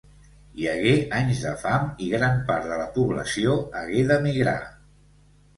Hi hagué anys de fam i gran part de la població hagué d'emigrar.